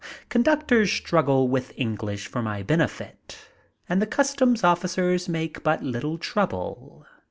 Conductors struggle with English for my benefit, and the customs officers make but little trouble.